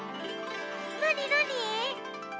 なになに？